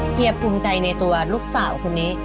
เฮียภูมิใจในตัวลูกสาวคนนี้